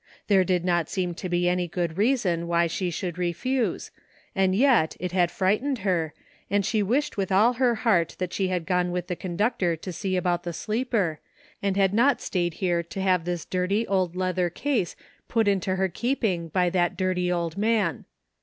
There did not seem to be any good reason why she should refuse, and yet it had frightened her, and she wished with all her heart that she had gone with the conductor to see about the sleeper and not stayed here to have this dirty old leather case put into her keeping by that dirty old man.